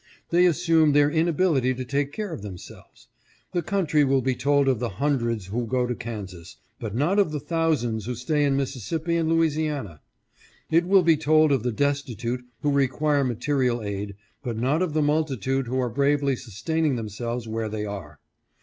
They assume their inability to take care of them selves. The country will be told of the hundreds who go to Kansas, but not of the thousands who stay in Mississippi and Louisiana. "It will be told of the destitute who require material aid, but not of the multitude who are bravely sustaining themselves where they are.